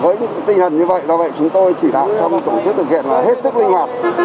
với tinh thần như vậy do vậy chúng tôi chỉ đạo trong tổ chức thực hiện là hết sức linh hoạt